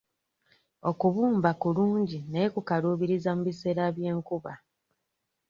Okubumba kulungi naye kukaluubiriza mu biseera by'enkuba.